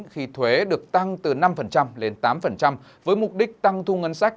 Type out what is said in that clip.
khi thuế được tăng từ năm lên tám với mục đích tăng thu ngân sách